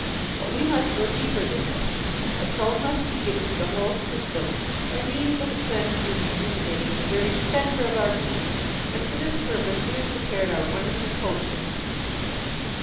But we must go deeper than this; a tone must be given to the whole system by means of the cleansing and rejuvenating of the very centre of our beings, and, for this purpose, we have prepared our wonderful potion."